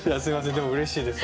でもうれしいです。